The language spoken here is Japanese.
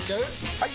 ・はい！